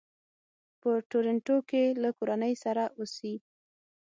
په ټورنټو کې له کورنۍ سره اوسي.